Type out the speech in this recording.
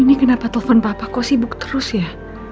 ini kenapa telfon papa kok sibuk terus ya